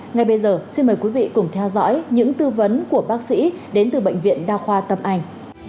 ngay bây giờ xin mời quý vị cùng theo dõi những tư vấn của bác sĩ đến từ bệnh viện đa khoa tâm anh